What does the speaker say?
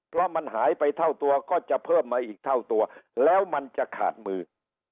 เพราะมันหายไปเท่าตัวก็จะเพิ่มมาอีกเท่าตัวแล้วมันจะขาดมือ